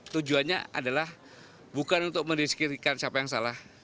tujuannya adalah bukan untuk mendiskritikan siapa yang salah